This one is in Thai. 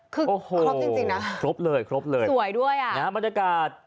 คือครบจริงนะครับสวยด้วยครบเลยครบเลยนะครับบรรยากาศ